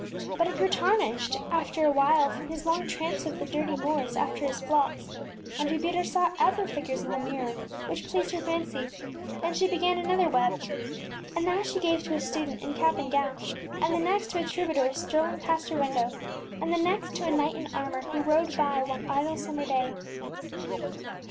But it grew tar nished after awhile from %f\t %t)m Mirabel his long tramps over the dirty moors after his flocks, and Huberta saw other figures in the mir ror which pleased her fancy, and she began an other web. And that she gave to a student in cap and gown, and the next to a troubadour strolling past her window, and the next to a knight in armour who rode by one idle summer day.